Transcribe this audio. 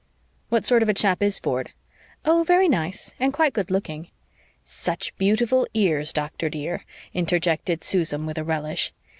"What sort of a chap is Ford?" "Oh, very nice, and quite good looking." "Such beautiful ears, doctor, dear," interjected Susan with a relish.